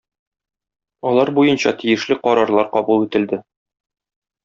Алар буенча тиешле карарлар кабул ителде.